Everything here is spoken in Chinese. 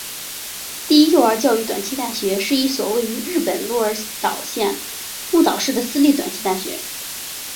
第一幼儿教育短期大学是一所位于日本鹿儿岛县雾岛市的私立短期大学。